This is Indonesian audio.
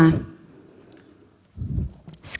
dapat diklasifikasikan menjadi tiga skema